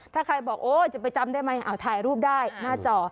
ถ้าใครบอกโอ้จะไปจำได้ไหมเอาถ่ายรูปได้หน้าจอ